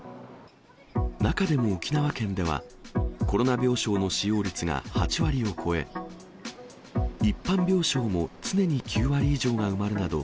中でも沖縄県では、コロナ病床の使用率が８割を超え、一般病床も常に９割以上が埋まるなど、